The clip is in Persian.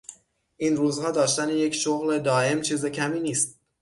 این روزها داشتن یک شغل دایم چیز کمی نیست!